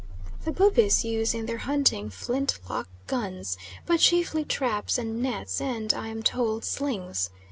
The Bubis use in their hunting flint lock guns, but chiefly traps and nets, and, I am told, slings.